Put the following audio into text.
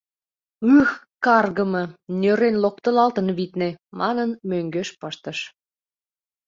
«Ых, каргыме, нӧрен локтылалтын, витне!» — манын, мӧҥгеш пыштыш.